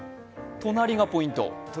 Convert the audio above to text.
隣がポイント？